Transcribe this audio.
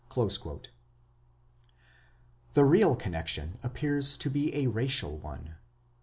" The real connection appears to be the racial one.